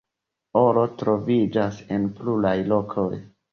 Oro troviĝas en pluraj lokoj.